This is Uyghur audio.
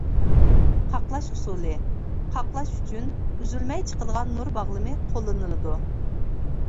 قاقلاش ئۇسۇلى: قاقلاش ئۈچۈن ئۈزۈلمەي چىقىدىغان نۇر باغلىمى قوللىنىلىدۇ.